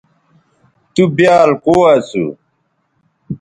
تُو بیال کو اسو